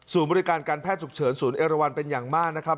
บริการการแพทย์ฉุกเฉินศูนย์เอราวันเป็นอย่างมากนะครับ